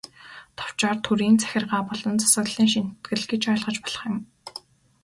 Товчоор, төрийн захиргаа болон засаглалын шинэтгэл гэж ойлгож болох юм.